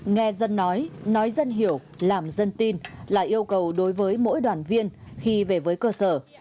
nghe dân nói nói dân hiểu làm dân tin là yêu cầu đối với mỗi đoàn viên khi về với cơ sở